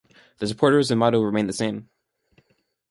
The supporters and motto remained the same.